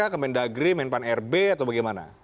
kementerian negeri kementerian pancasila atau bagaimana